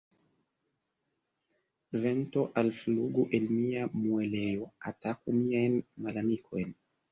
Vento, alflugu el mia muelejo, ataku miajn malamikojn!